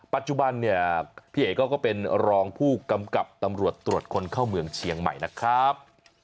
ปัจจุบันเนี่ยพี่เอกเขาก็เป็นรองผู้กำกับตำรวจตรวจคนเข้าเมืองเชียงใหม่นะครับ